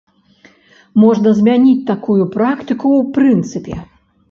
Можна змяніць такую практыку ў прынцыпе?